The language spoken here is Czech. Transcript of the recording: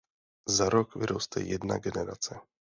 Za rok vyroste jedna generace.